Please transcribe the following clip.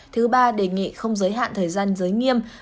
thứ ba đề nghị không giới hạn thời gian giới nghiêm